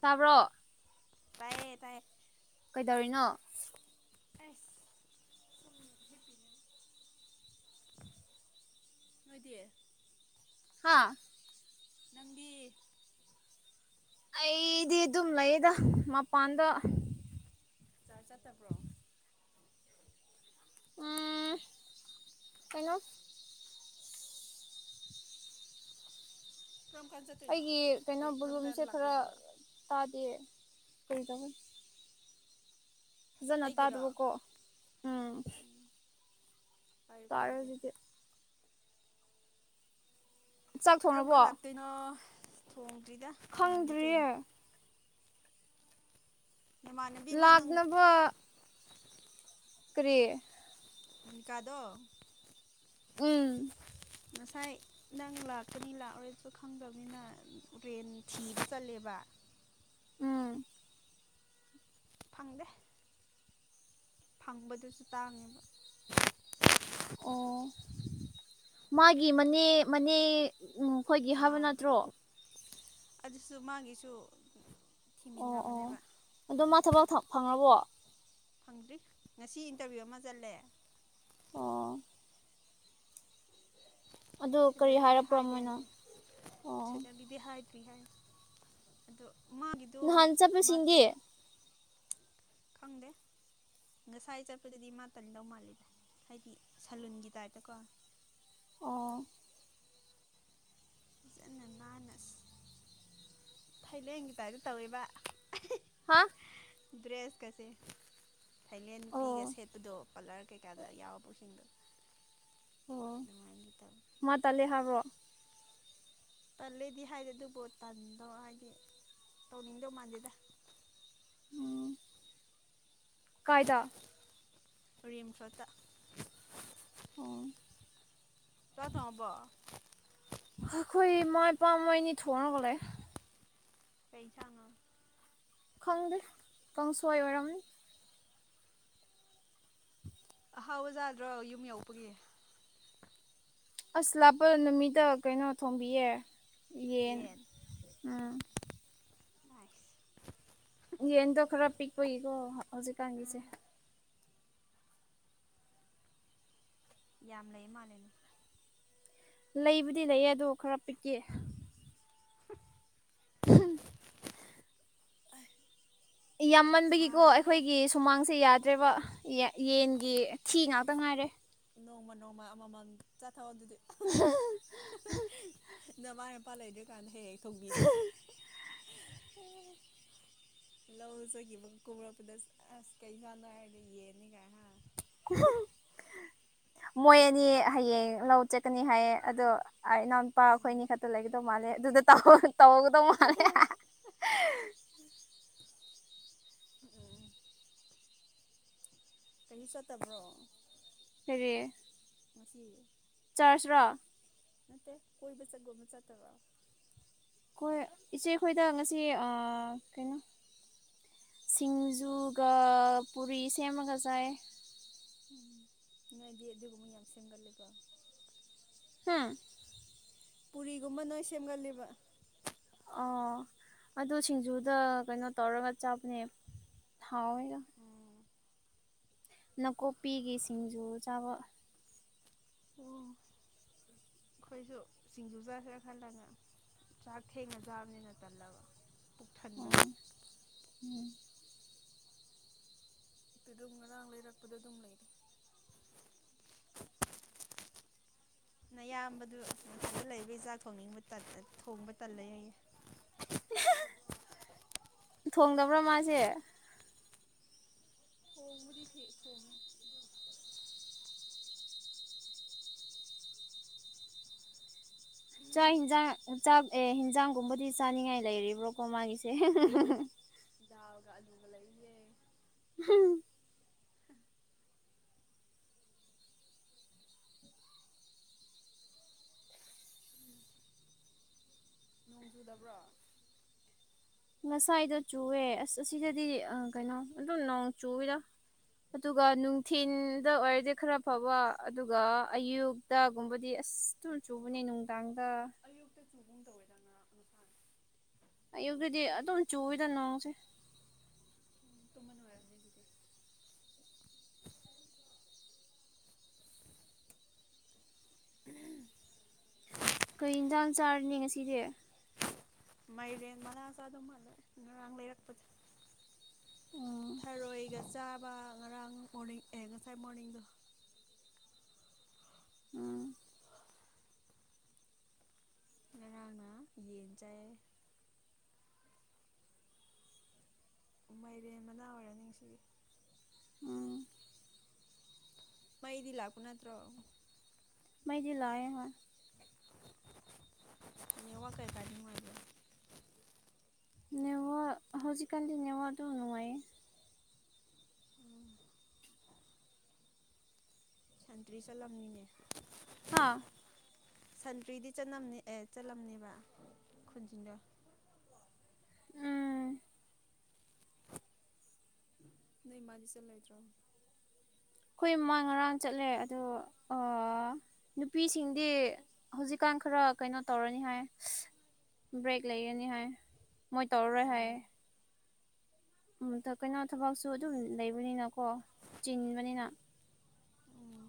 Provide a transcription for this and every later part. ꯇꯥꯕ꯭ꯔꯣ ꯇꯥꯏꯌꯦ ꯇꯥꯏꯌꯦ ꯀꯩꯗꯧꯔꯤꯅꯣ ꯑꯁ ꯁꯨꯝ ꯍꯤꯄꯤ [inaudible] ꯅꯣꯏꯗꯤ ꯍꯥꯥ ꯅꯪꯗꯤ ꯑꯩꯗꯤ ꯑꯗꯨꯝ ꯂꯩꯌꯦꯗ ꯃꯄꯥꯟꯗ ꯆꯔꯁ ꯆꯠꯇꯕ꯭ꯔꯣ ꯎꯝ ꯀꯩꯅꯣ ꯀꯔꯝ ꯀꯥꯟ ꯆꯠꯇꯣꯏꯅꯣ ꯑꯩꯒꯤ ꯀꯩꯅꯣ ꯑꯦ ꯀꯔꯝ ꯀꯥꯟ ꯕꯣꯂꯨꯝꯁꯦ ꯈꯔ ꯂꯥꯛꯇꯣꯏꯅꯣꯕ ꯇꯥꯗꯦ ꯀꯩꯗꯧꯅꯤ ꯐꯖꯅ ꯑꯩꯒꯤꯔꯣ ꯇꯥꯗꯕ ꯀꯣ ꯑꯝ ꯎꯝ ꯄꯥꯏꯌꯨꯀꯣ ꯇꯥꯔꯦ ꯑꯗꯨꯗꯤ ꯍꯧꯖꯤꯛꯗꯤ ꯆꯥꯛ ꯀꯔꯝ ꯀꯥꯟ ꯊꯣꯡꯔꯕꯣ ꯂꯥꯛꯇꯣꯏꯅꯣ ꯊꯣꯡꯗ꯭ꯔꯤꯗ ꯉꯜꯂꯤ ꯈꯪꯗ꯭ꯔꯤꯌꯦ ꯀꯩꯅꯣ ꯅꯃꯥꯟꯅꯕꯤ ꯑꯃ ꯅꯪ ꯂꯥꯛꯅꯕ ꯀꯔꯤ ꯅꯤꯀꯥꯗꯣ ꯎꯝ ꯉꯁꯥꯏ ꯅꯪ ꯂꯥꯛꯀꯅꯤ ꯂꯥꯛꯑꯣꯏꯁꯨ ꯈꯪꯗꯕꯅꯤꯅ ꯔꯦꯟ ꯊꯤꯕ ꯆꯠꯂꯦꯕ [inaudible] ꯐꯪꯗꯦ ꯐꯪꯕꯗꯨꯁꯨ ꯇꯥꯡꯉꯦꯕ [inaudible] ꯑꯣ ꯃꯥꯒꯤ ꯃꯅꯦ ꯃꯅꯦ ꯎꯝ ꯈꯣꯏꯒꯤ ꯍꯥꯕ ꯑꯥ ꯅꯠꯇ꯭ꯔꯣ ꯑꯗꯨꯁꯨ ꯃꯥꯒꯤꯁꯨ ꯑꯣ ꯑꯣ ꯊꯤꯃꯤꯟꯅꯕꯅꯦꯕ ꯑꯗꯣ ꯃꯥ ꯊꯕꯛ ꯐꯪꯉꯕꯣ ꯐꯪꯗ꯭ꯔꯤ ꯉꯁꯤ ꯏꯟꯇꯔꯚꯤꯌꯨ ꯑꯃ ꯆꯠꯂꯦ ꯑꯣ ꯑꯗꯨ ꯀꯔꯤ ꯁꯤꯂꯔꯤꯗꯤ ꯍꯥꯏꯔꯛꯄ꯭ꯔꯣ ꯍꯥꯏꯗꯦ ꯃꯣꯏꯅ ꯍꯥꯏꯌꯦ ꯑꯣ ꯁꯤꯂꯔꯤꯗꯤ ꯍꯥꯏ ꯊ꯭ꯔꯤ ꯍꯥꯏ ꯑꯗꯣ ꯅꯍꯥꯟ ꯃꯥꯒꯤꯗꯣ ꯃꯥ ꯆꯠꯄꯁꯤꯡꯗꯤ ꯈꯪꯗꯦ ꯉꯁꯥꯏ ꯆꯠꯄꯗꯗꯤ ꯃꯥ ꯇꯟꯗꯧ ꯃꯥꯜꯂꯦꯗ ꯍꯥꯏꯗꯤ ꯁꯂꯨꯟꯒꯤ ꯇꯥꯏꯞꯇꯀꯣ ꯑꯣ ꯐꯖꯟꯅ ꯅꯥꯟꯅ ꯑꯁ ꯊꯥꯏꯂꯦꯟꯒꯤ ꯇꯥꯏꯞꯇ ꯇꯧꯋꯦꯕ ꯍꯥ ꯗ꯭ꯔꯦꯁ ꯀꯁꯦ ꯊꯥꯢꯂꯦꯟ ꯅꯨꯄꯤꯒ ꯑꯣ ꯁꯦꯠꯄꯗꯣ ꯄꯥꯂꯔ ꯀꯩꯀꯥꯗ ꯌꯥꯎꯕ ꯁꯤꯡꯗꯣ ꯑꯣ ꯇꯧꯋꯤ ꯃꯥ ꯇꯜꯂꯦ ꯍꯥꯢꯕ꯭ꯔꯣ ꯇꯜꯂꯦꯗꯤ ꯍꯥꯏꯗꯦ ꯑꯗꯨꯕꯨ ꯇꯟꯗꯣ ꯍꯥꯏꯗꯤ ꯇꯧꯅꯤꯡꯗꯧ ꯃꯥꯟꯗꯦꯗ ꯎꯝ ꯀꯥꯏꯗ ꯔꯤꯝꯁ ꯔꯣꯠꯇ ꯑꯣ ꯆꯥꯛ ꯊꯣꯡꯉꯕꯣ ꯑꯈꯣꯏ ꯏꯃꯥ ꯏꯄꯥ ꯃꯣꯏꯅꯤ ꯊꯣꯡꯔꯒ ꯂꯩꯌꯦ ꯀꯩ ꯢꯟꯖꯥꯡꯅꯣ ꯈꯪꯗꯦ ꯀꯥꯡꯁꯣꯢ ꯑꯣꯏꯔꯝꯅꯤ ꯑꯍꯥꯎꯕ ꯖꯥꯗ꯭ꯔꯣ ꯌꯨꯝ ꯌꯧꯕꯒꯤ ꯑꯁ ꯂꯥꯛꯄ ꯅꯨꯃꯤꯠꯇ ꯀꯩꯅꯣ ꯊꯣꯡꯕꯤꯌꯦ ꯌꯦꯟ ꯎꯝ ꯑꯩꯁ ꯌꯦꯟꯗꯣ ꯈꯔ ꯄꯤꯛꯄꯒꯤꯀꯣ ꯍꯧꯖꯤꯛꯀꯥꯟꯒꯤꯁꯦ ꯎꯝ ꯌꯥꯝ ꯂꯩ ꯃꯥꯟꯂꯩꯅꯦ ꯂꯩꯕꯨꯗꯤ ꯂꯩꯌꯦ ꯑꯗꯣ ꯈꯔ ꯄꯤꯛꯑꯦ ꯎꯝ ꯌꯥꯝꯃꯟꯕꯒꯤꯀꯣ ꯁꯥꯏꯍꯦ ꯑꯩꯈꯣꯏꯒꯤ ꯁꯨꯃꯥꯡꯁꯦ ꯌꯥ ꯗ꯭ꯔꯦꯕ ꯌꯦꯟꯒꯤ ꯊꯤ ꯉꯥꯛꯇ ꯉꯥꯏꯔꯦ ꯅꯣꯡꯃ ꯅꯣꯡꯃ ꯑꯃꯃꯝ ꯆꯠꯊꯣꯑꯣ ꯑꯗꯨꯗꯤ ꯅꯃꯥ ꯃꯄꯥ ꯂꯩꯗ꯭ꯔꯀꯥꯟꯗ ꯍꯦꯛ ꯍꯦꯛ ꯊꯣꯡꯕꯤꯒꯦ [unintelligible] ꯂꯧꯖꯒꯤꯕ ꯀꯨꯝꯔꯛꯄꯗ ꯑꯁ ꯀꯩ ꯖꯥꯡꯅꯣ ꯍꯥꯏꯔꯒ ꯌꯦꯅꯤ ꯀꯥꯏ ꯍꯥ ꯃꯣꯏ ꯑꯅꯤ ꯍꯌꯦꯡ ꯂꯧ ꯆꯠꯀꯅꯤ ꯍꯥꯏꯌꯦ ꯑꯗꯣ ꯏꯅꯥꯎ ꯅꯨꯄꯥ ꯑꯩꯈꯣꯏ ꯑꯅꯤ ꯎꯝ ꯈꯛꯇ ꯂꯩꯒꯗꯧ ꯃꯥꯜꯂꯦ ꯅꯦ ꯑꯗꯨꯗ ꯇꯧꯍꯧ ꯇꯧꯒꯗꯧ ꯃꯥꯜꯂꯦ ꯎꯝ ꯀꯩꯁꯨ ꯆꯠꯇꯕ꯭ꯔꯣ ꯀꯔꯤ ꯉꯥꯁꯤ ꯆꯥꯔꯁꯤ ꯔꯥ ꯅꯠꯇꯦ ꯀꯣꯏꯕ ꯆꯛꯒꯨꯝꯅ ꯆꯠꯇꯕ꯭ꯔ ꯈꯣꯏ ꯏꯆꯦ ꯑꯩꯈꯣꯏꯗ ꯉꯁꯤ ꯑ ꯀꯩꯅꯣ ꯁꯤꯡꯖꯨꯒ ꯄꯨꯔꯤ ꯁꯦꯝꯃꯒ ꯆꯥꯏꯌꯦ ꯅꯣꯢꯗꯤ ꯑꯗꯨꯒꯨꯝꯕ ꯌꯥꯝ ꯁꯦꯝꯒꯜꯂꯦꯀꯦ ꯍꯥꯥ ꯄꯨꯔꯤꯒꯨꯝꯕ ꯅꯣꯏ ꯁꯦꯝꯒꯜꯂꯦꯕ ꯑ ꯑꯗꯨ ꯁꯤꯡꯖꯨꯗ ꯀꯩꯅꯣ ꯇꯧꯔꯒ ꯆꯥꯕꯅꯦ ꯍꯥꯎ ꯌꯦꯗ ꯑꯣ ꯅꯥꯀꯨꯞꯄꯤꯒꯤ ꯁꯤꯡꯖꯨ ꯆꯥꯕ [unintelligible] ꯑꯩꯈꯣꯏꯁꯨ ꯁꯤꯡꯖꯨ ꯆꯥꯁꯤꯔꯥ ꯈꯜꯂꯒ ꯆꯥꯛ ꯊꯦꯡꯅ ꯆꯥꯕꯅꯦꯅ ꯇꯜꯂꯕ ꯄꯨꯛ ꯊꯟꯕ ꯑꯣ ꯎꯝ ꯄꯦꯔꯨꯠ ꯉꯔꯥꯡ ꯂꯩꯔꯛꯄꯗꯨ ꯑꯗꯨꯝ ꯂꯩꯔꯤ [inaudible] ꯅꯌꯥꯝꯕꯗꯨ ꯐꯗ ꯂꯩꯕ ꯆꯥꯛ ꯊꯣꯡꯅꯤꯡꯕ ꯊꯣꯡꯕ ꯇꯜꯂꯦꯌꯦ ꯊꯣꯡꯗꯕ꯭ꯔꯥ ꯃꯥꯁꯦ ꯊꯣꯡꯕꯨꯗꯤ ꯊꯦ ꯊꯣꯡꯉꯤ ꯆꯥꯛ ꯍꯦꯟꯖꯥꯡ ꯆꯥꯛ ꯑꯦ ꯍꯦꯟꯖꯥꯡꯒꯨꯝꯕꯗꯤ ꯆꯥꯅꯤꯡꯉꯥꯏ ꯂꯩꯔꯤꯕ꯭ꯔꯣꯀꯣ ꯃꯥꯒꯤꯁꯦ ꯗꯥꯜꯒ ꯑꯂꯨꯒ ꯂꯩꯌꯦ ꯍꯨꯝ ꯅꯣꯡ ꯆꯨꯗꯕ꯭ꯔꯣ ꯉꯁꯥꯏꯗꯣ ꯆꯨꯑꯦ ꯑꯁ ꯑꯁꯤꯗꯗꯤ ꯑ ꯀꯩꯅꯣ ꯑꯗꯨꯝ ꯅꯣꯡ ꯆꯨꯏꯑꯦꯗ ꯑꯗꯨꯒ ꯅꯨꯡꯊꯤꯟꯗ ꯑꯣꯏꯔꯗꯤ ꯈꯔ ꯐꯕ ꯑꯗꯨꯒ ꯑꯌꯨꯛꯇꯒꯨꯝꯕꯗꯤ ꯑꯁ ꯑꯁ ꯇꯨꯝ ꯆꯨꯕꯅꯦ ꯅꯨꯡꯗꯥꯡꯗ ꯑꯌꯨꯛꯇ ꯆꯨꯒꯨꯝ ꯇꯧꯋꯦꯗ ꯉꯔꯥꯛ ꯉꯁꯥꯥꯏ ꯑꯌꯨꯛꯇꯗꯤ ꯑꯗꯨꯝ ꯆꯨꯑꯦꯗ ꯅꯣꯡꯁꯦ [inaudible] [inaudible] ꯀꯩ ꯍꯦꯟꯖꯥꯡ ꯆꯥꯔꯅꯤ ꯉꯁꯤꯗꯤ ꯃꯥꯏꯔꯦꯟ ꯃꯅꯥ ꯆꯥꯗꯧ ꯃꯥꯜꯂꯦ ꯉꯔꯥꯡ ꯂꯩꯔꯛꯄꯗꯣ ꯎꯝ ꯊꯔꯣꯏꯒ ꯆꯥꯕ ꯉꯔꯥꯡ ꯃꯣꯔꯅꯤꯡ ꯑꯦ ꯉꯁꯥꯏ ꯃꯣꯔꯅꯤꯡꯗꯣ ꯎꯝ ꯉꯔꯥꯡꯅ ꯌꯦꯟ ꯆꯥꯏꯌꯦ ꯃꯥꯏꯔꯦꯟ ꯃꯅꯥ ꯑꯣꯏꯔꯅꯤ ꯉꯁꯤꯒꯤ ꯎꯝ ꯃꯩꯗꯤ ꯂꯥꯛꯄ ꯅꯠꯇ꯭ꯔꯣ ꯃꯩꯗꯤ ꯂꯥꯛꯑ ꯍꯣꯏ ꯅꯦꯠꯋꯥꯛ ꯀꯩꯀꯥꯗꯤ ꯅꯨꯉꯥꯏꯕꯔꯣ ꯅꯦꯋꯥꯛ ꯍꯧꯖꯤꯛꯀꯥꯟꯗꯤ ꯅꯦꯋꯥꯛ ꯑꯗꯨꯝ ꯅꯨꯉꯥꯏꯌꯦ ꯎꯝ ꯁꯟꯇ꯭ꯔꯤ ꯆꯠꯂꯝꯅꯤꯅꯦ ꯍꯥꯥ ꯁꯟꯇ꯭ꯔꯤꯗꯤ ꯆꯠꯅꯝꯅꯤ ꯑꯦ ꯆꯠꯂꯝꯅꯦꯕ ꯈꯨꯟꯖꯤꯟꯅ ꯑꯩꯈꯣꯏ ꯅꯣꯏ ꯃꯥꯗꯤ ꯆꯠꯂꯣꯏꯗ꯭ꯔꯣ ꯑꯩꯈꯣꯏ ꯃꯥ ꯉꯔꯥꯡ ꯆꯠꯂꯦ ꯑꯗꯣ ꯅꯨꯄꯤꯁꯤꯡꯗꯤ ꯍꯧꯖꯤꯛꯀꯥꯟ ꯃꯇꯝ ꯈꯔ ꯀꯩꯅꯣ ꯇꯧꯔꯅꯤ ꯍꯥꯏ ꯕ꯭ꯔꯦꯛ ꯂꯩꯔꯅꯤ ꯍꯥꯏ ꯃꯣꯏ ꯇꯧꯔꯔꯣꯏ ꯑꯣ ꯍꯥꯏꯌꯦ ꯀꯩꯅꯣ ꯊꯕꯛꯁꯨ ꯑꯗꯨꯝ ꯂꯩꯕꯅꯤꯅꯀꯣ ꯆꯤꯟꯕꯅꯤꯅ ꯎꯝ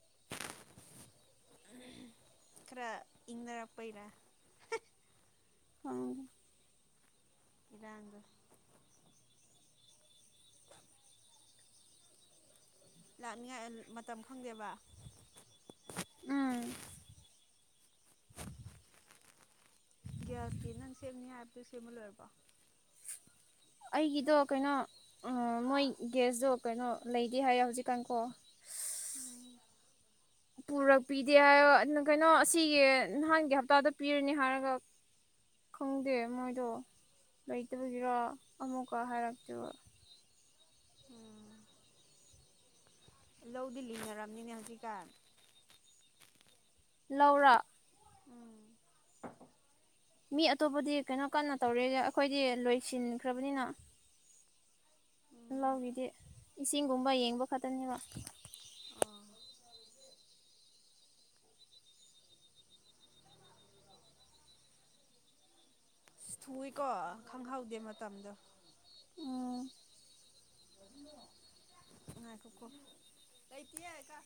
[inaudible] ꯈꯔ ꯏꯪꯅꯔꯛꯄꯩꯔꯥ ꯑꯥ ꯏꯔꯥꯡꯗꯣ ꯂꯥꯛꯅꯤꯉꯥꯏ ꯃꯇꯝ ꯈꯪꯗꯦꯕ [inaudible] ꯒ꯭ꯌꯥꯁꯀꯤ ꯅꯪ ꯁꯦꯝꯅꯤ ꯍꯥꯏꯕꯗꯣ ꯁꯦꯝꯕ ꯂꯣꯏꯔꯕꯣ ꯑꯩꯒꯤꯗꯣ ꯀꯩꯅꯣ ꯃꯣꯏ ꯒ꯭ꯦꯁꯇꯣ ꯀꯩꯅꯣ ꯂꯩꯗꯦ ꯍꯥꯏꯌꯦ ꯍꯧꯖꯤꯛꯀꯥꯟꯀꯣ ꯎꯝ ꯄꯨꯔꯛꯄꯤꯗꯦ ꯍꯥꯏꯕ ꯑꯗꯨꯅ ꯀꯩꯅꯣ ꯑꯁꯤꯒꯤ ꯅꯍꯥꯟꯒꯤ ꯍꯞꯇꯥꯗ ꯄꯤꯔꯅꯤ ꯍꯥꯏꯔꯒ ꯈꯪꯗꯦ ꯃꯣꯏꯗꯣ ꯂꯩꯇꯕꯒꯤꯔꯣ ꯑꯃꯨꯛꯀ ꯍꯥꯏꯔꯇꯣ ꯎꯝ ꯂꯧꯗꯤ ꯂꯤꯡꯅꯔꯝꯅꯤꯅꯦ ꯍꯧꯖꯤꯛꯀꯥꯟ ꯂꯧꯔꯣ ꯎꯝ ꯃꯤ ꯑꯇꯣꯞꯄꯗꯤ ꯀꯩꯅꯣ ꯀꯟꯅ ꯇꯧꯔ ꯑꯩꯈꯣꯏꯗꯤ ꯂꯣꯏꯁꯤꯟꯈ꯭ꯔꯕꯅꯤꯅ ꯎꯝ ꯂꯧꯒꯤꯗꯤ ꯏꯁꯤꯡꯒꯨꯝꯕ ꯌꯦꯡꯕ ꯈꯛꯇꯅꯦꯕ [inaudible] ꯑꯁ ꯊꯨꯏꯀꯣ ꯈꯪꯍꯧꯗꯦ ꯃꯇꯝꯗꯣ ꯑꯝ ꯉꯥꯏꯈꯣꯀꯣ ꯂꯩꯇꯤꯌꯦ ꯀꯥ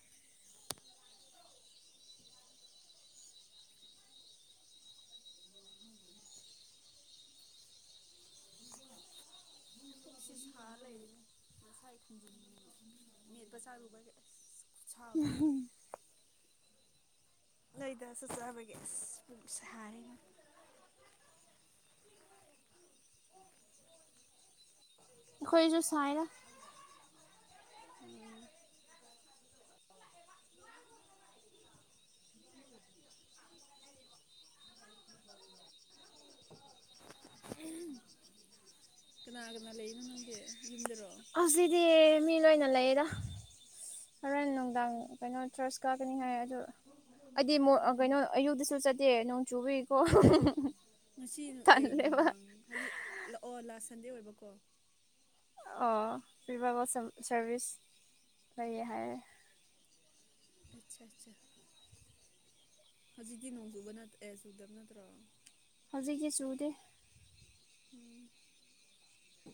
ꯄꯣꯛꯁꯤ ꯁꯥꯔ ꯂꯩꯔꯤꯅꯦ ꯉꯁꯥꯏ ꯊꯥꯡꯖꯤꯡ ꯃꯦꯠꯄ ꯆꯥꯔꯨꯕ ꯑꯁ ꯈꯨꯠꯁꯥ ꯎꯝ ꯑꯃ ꯍꯝ ꯅꯣꯏꯗꯥꯁꯨ ꯆꯥꯕꯒꯤ ꯑꯁ ꯄꯨꯛ ꯁꯥꯏꯌꯦꯅꯦ ꯑꯩꯈꯣꯏꯁꯨ ꯁꯥꯏꯌꯦ ꯎꯝ [inaudible] [inaudible] [inaudible] ꯀꯅꯥ ꯀꯅꯥ ꯂꯩꯔꯤꯅꯣ ꯅꯪꯗꯤ ꯌꯨꯝꯗꯔꯣ ꯍꯧꯖꯤꯛꯗꯤ ꯃꯤ ꯂꯣꯏꯅ ꯂꯩꯌꯦꯗ ꯍꯣꯔꯦꯟꯅꯨꯡ ꯀꯩꯅꯣ ꯆꯔꯁ ꯀꯥꯀꯅꯤ ꯍꯥꯏ ꯑꯗꯨ ꯑꯩꯗꯤ ꯃ ꯑꯣ ꯀꯩꯅꯣ ꯑꯌꯨꯛꯇꯛꯇꯁꯨ ꯆꯠꯇꯦ ꯅꯣꯡ ꯆꯨꯕ ꯀꯣ ꯍꯨꯝ ꯍꯨꯝ ꯍꯨꯝ ꯉꯁꯤ ꯀꯩ ꯅꯨꯡꯗꯥꯡ ꯍꯥꯏꯗꯤ ꯂ ꯑꯣ ꯂꯥꯁ ꯁꯟꯗꯦ ꯑꯣꯏꯕꯀꯣ ꯑꯣ ꯚꯤꯕꯕꯣ ꯁꯝ ꯁꯔꯚꯤꯁ ꯂꯩꯌꯦ ꯍꯥꯏꯌꯦ ꯑꯆꯥ ꯑꯆꯥ ꯍꯧꯖꯤꯛꯇꯤ ꯅꯣꯡꯆꯨꯕ ꯅ ꯑꯦ ꯆꯨꯗꯕ ꯅꯠꯇ꯭ꯔꯣ ꯍꯧꯖꯤꯛꯇꯤ ꯆꯨꯗꯦ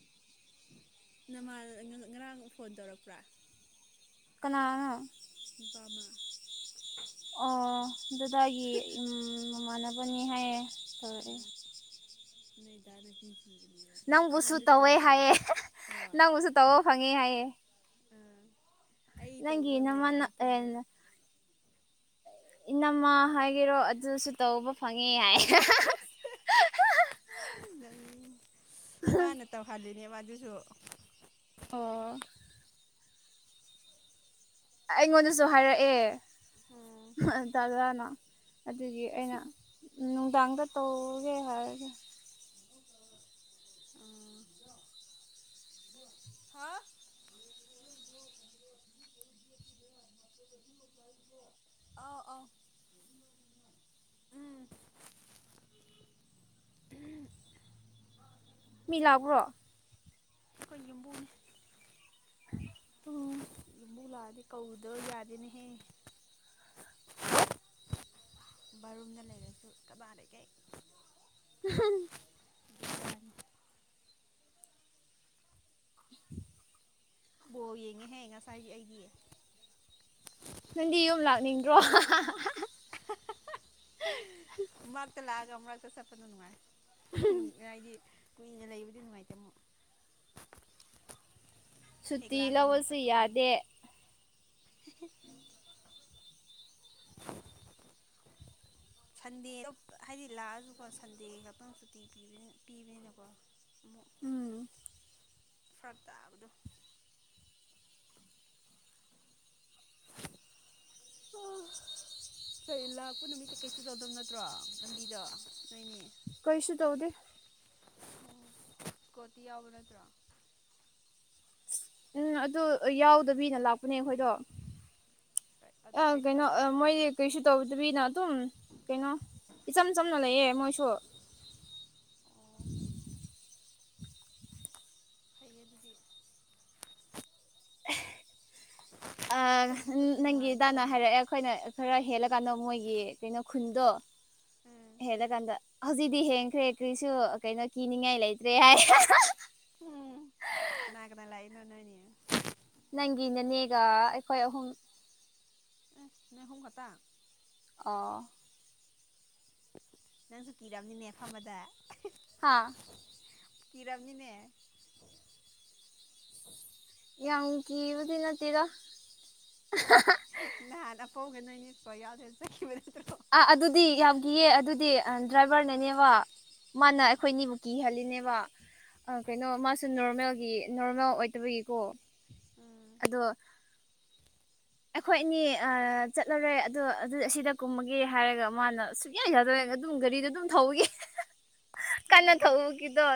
[inaudible] ꯅꯃꯥꯜ ꯉꯔꯥꯡ ꯐꯣꯟ ꯇꯧꯔꯛꯄ꯭ꯔꯥ ꯀꯅꯥꯅꯣ ꯅꯨꯄꯥ ꯑꯃꯥ ꯑꯣ ꯗꯗꯥꯒꯤ ꯏꯝ ꯃꯃꯥꯟꯅ ꯕꯅꯤ ꯍꯥꯏꯌꯦ ꯇꯧꯔꯛ ꯑꯦ ꯅꯣꯏ ꯗꯥꯗ ꯄꯤꯈꯤ ꯅꯪꯕꯨꯁꯨ ꯇꯧꯋꯦ ꯍꯥꯏꯌꯦ [inaudible] ꯍꯣꯏ ꯅꯪꯕꯨꯁꯨ ꯇꯧꯕ ꯐꯪꯉꯦ ꯍꯥꯏꯌꯦ [inaudible] ꯑꯥ ꯑꯩ ꯅꯪꯒꯤ ꯇꯧꯕ ꯂꯣꯏꯔ ꯅꯃꯥꯅ ꯃꯇꯨꯡꯗ [inaudible] ꯏꯅꯝꯃ ꯍꯥꯏꯒꯦꯔꯣ ꯑꯗꯨꯁꯨ ꯇꯧꯕ ꯐꯪꯉꯦ ꯍꯥꯏ [inaudible] ꯎꯝ ꯅꯣꯛꯅꯤꯡꯉꯤ ꯃꯥꯅ ꯇꯧꯍꯟꯂꯤꯅꯦ ꯋꯥ ꯑꯗꯨꯁꯨ ꯑꯣ ꯑꯩꯉꯣꯟꯗꯁꯨ ꯍꯥꯏꯔꯛꯑꯦ ꯑꯣ ꯇꯖꯥꯅ ꯑꯗꯨꯒꯤ ꯑꯩꯅ ꯅꯨꯡꯗꯥꯡꯗ ꯇꯧꯒꯦ ꯍꯥꯏꯔꯒꯦ [inaudible] ꯍꯥ [inaudible] [inaudible] ꯑꯧ ꯑꯧ [inaudible] ꯃꯤ ꯂꯛꯕ꯭ꯔꯣ ꯑꯩꯈꯣꯏ ꯌꯨꯝꯕꯨꯅꯦ [inaudible] ꯄꯨ ꯂꯥꯛꯑꯗꯤ ꯀꯧꯗ ꯌꯥꯗꯦꯅꯦꯍꯦ ꯕꯥꯠꯔꯨꯝꯗ ꯂꯩꯔꯁꯨ ꯀꯅꯥ ꯂꯩꯒꯩ [inaudible] [inaudible] ꯕꯣꯜ ꯌꯦꯡꯉꯦꯍꯦ ꯉꯁꯥꯏꯗꯤ ꯑꯩꯗꯤ ꯅꯪꯗꯤ ꯌꯨꯝ ꯂꯥꯛꯅꯤꯡꯗ꯭ꯔꯣ [inaudible] ꯃꯔꯛꯇ ꯂꯥꯛꯑꯒ ꯃꯔꯛꯇ ꯆꯠꯄꯗꯣ ꯅꯨꯡꯉꯥꯏ ꯍꯥꯏꯗꯤ ꯀꯨꯏꯅ ꯂꯩꯕꯗꯤ ꯅꯨꯡꯉꯥꯏꯇꯦ ꯑꯃꯨꯛ ꯍꯦꯛ ꯁꯨꯇꯤ ꯂꯥꯛꯑꯒ ꯑꯃꯨꯛ ꯂꯧꯋꯣꯁꯨ ꯆꯠꯄꯒꯨꯝꯕꯗꯣ ꯌꯥꯗꯦ [inaudible] ꯁꯟꯗꯦ ꯍꯥꯏꯗꯤ ꯂꯥꯛꯑꯁꯨꯀꯣ ꯁꯟꯗꯦ ꯈꯛꯇꯪ ꯁꯨꯇꯤ ꯄꯤꯕꯅꯤꯅꯀꯣ ꯎꯝ ꯐ꯭ꯔꯛ ꯇꯥꯕꯗꯣ [inaudible] ꯀꯩ ꯂꯥꯛꯄ ꯅꯨꯃꯤꯠꯇ ꯀꯩꯁꯨ ꯇꯩꯗꯕ ꯅꯠꯇ꯭ꯔꯣ ꯂꯝꯕꯤꯗꯣ ꯅꯣꯏꯅꯤ ꯀꯩꯁꯨ ꯇꯧꯗꯦ ꯑ ꯀꯣꯇꯤ ꯌꯥꯎꯕ ꯅꯠꯇ꯭ꯔꯣ ꯎꯝ ꯑꯗꯨ ꯌꯥꯎꯗꯕꯤꯅ ꯂꯥꯛꯄꯅꯦ ꯑꯩꯈꯣꯏꯗꯣ ꯑ ꯑꯗꯨ ꯀꯩꯁꯨ ꯀꯩꯅꯣ ꯇꯧꯗꯦ ꯃꯣꯏ ꯀꯩꯁꯨ ꯇꯧꯗ꯭ꯔꯤꯅ ꯑꯗꯨꯝ ꯀꯩꯅꯣ ꯏꯆꯝ ꯆꯝꯅ ꯂꯩꯌꯦ ꯃꯣꯏꯁꯨ ꯑꯣ ꯐꯩꯌꯦ ꯑꯗꯨꯗꯤ [inaudible] ꯑ ꯆꯠꯊꯣꯛ ꯆꯠꯁꯤꯟ ꯅꯪꯒꯤ ꯅꯨꯡꯉꯥꯏꯔꯗꯤ ꯏꯗꯥꯅ ꯐꯅꯤ ꯍꯥꯏꯔꯛꯑꯦ ꯑꯩꯈꯣꯏꯅ ꯈꯔ ꯎꯝ ꯍꯦꯜꯂꯀꯥꯟꯗ ꯃꯣꯏꯒꯤ ꯀꯩꯅꯣ ꯈꯨꯟꯗꯣ ꯍꯦꯜꯂ ꯀꯥꯟꯗ ꯍꯧꯖꯤꯛꯇꯤ ꯍꯦꯟꯈ꯭ꯔꯦ ꯀꯔꯤꯁꯨ ꯀꯩꯅꯣ ꯀꯤꯅꯤꯡꯉꯥꯏ ꯂꯩꯇ꯭ꯔꯦ ꯍꯥꯏ ꯑꯗꯨ ꯅꯣꯢꯅꯦ ꯅꯪꯒꯤ ꯅꯅꯦꯒ ꯑꯩꯈꯣꯏ ꯑꯍꯨꯝ ꯎꯝ ꯅꯣꯢ ꯑꯍꯨꯝ ꯈꯇꯥ ꯑꯥ ꯅꯪꯁꯨ ꯀꯤꯔꯝꯅꯤꯅꯦ ꯐꯝꯕꯗ ꯍꯥꯥ ꯀꯤꯔꯝꯅꯤꯅꯦ ꯌꯥꯝ ꯀꯤꯕꯗꯤ ꯅꯠꯇꯦꯗ ꯅꯍꯥꯟ ꯑꯐꯧꯒ ꯅꯣꯏꯅꯤ ꯏꯁꯀꯣ ꯌꯥꯎꯗ ꯆꯠꯈꯤꯕ ꯅꯠꯇ꯭ꯔꯣ ꯑꯥ ꯑꯗꯨꯗꯤ ꯌꯥꯝꯒꯤꯌꯦ ꯑꯗꯨꯗꯤ ꯗ꯭ꯔꯥꯏꯚꯔꯅꯅꯦꯕ ꯃꯥꯅ ꯎꯝ ꯑꯩꯈꯣꯏꯅꯤꯕꯨ ꯀꯤꯍꯜꯂꯤꯅꯦꯕ ꯑ ꯀꯩꯅꯣ ꯃꯥꯁꯨ ꯅꯣꯔꯃꯦꯜꯒꯤ ꯅꯣꯔꯃꯦꯜ ꯑꯣꯏꯇꯕꯒꯤꯀꯣ ꯎꯝ ꯑꯗꯣ ꯑꯩꯈꯣꯏ ꯑꯅꯤ ꯑ ꯆꯠꯂꯔꯦ ꯑꯗꯣ ꯑꯗꯨ ꯑꯁꯤꯗ ꯀꯨꯝꯃꯒꯦ ꯍꯥꯏꯔꯒ ꯃꯥꯅ ꯁꯨꯛꯌꯥ ꯌꯥꯗꯕꯩ ꯑꯗꯨꯝ ꯒꯥꯔꯤꯗꯣ ꯑꯗꯨꯝ ꯊꯧꯕꯒꯤ ꯀꯥꯟꯅ ꯎꯝ ꯊꯧꯕꯒꯤꯗꯣ